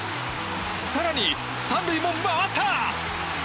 更に３塁も回った！